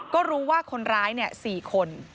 ก็รู้ว่าคนร้าย๔คน